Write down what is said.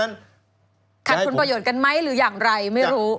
ขัดผลประโยชน์กันไหมหรืออย่างไรไม่รู้